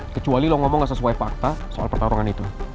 kecuali lo ngomong gak sesuai fakta soal pertarungan itu